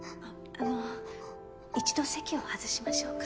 あの一度席を外しましょうか。